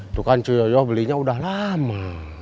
itu kan cuyo belinya udah lama